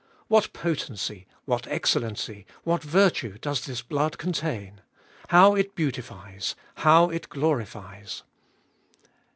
What potency, what excellency, what virtue does this blood contain ! How it beautifies ! How it glorifies